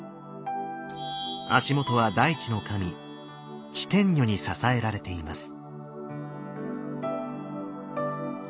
足元は大地の神地天女に支えられています。